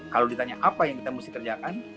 kalau ditanya apa yang kita mesti kerjakan